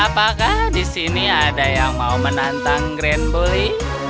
apakah di sini ada yang mau menantang grand bully